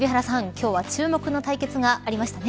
今日は注目の対決がありましたね。